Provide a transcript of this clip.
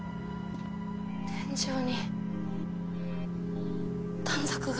天井に短冊が。